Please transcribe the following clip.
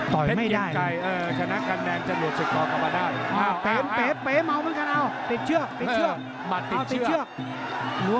เทบกิวไกชนะกันแดนจะหลวดสุดกอกราบนาโหล